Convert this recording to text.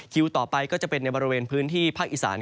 ต่อไปก็จะเป็นในบริเวณพื้นที่ภาคอีสาน